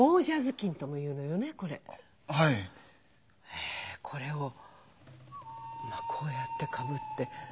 へこれをまあこうやってかぶって。